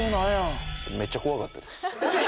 めっちゃ怖かったです。